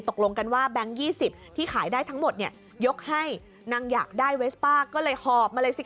ตกลงกันว่าแบงค์๒๐ที่ขายได้ทั้งหมดเนี่ยยกให้นางอยากได้เวสป้าก็เลยหอบมาเลยสิค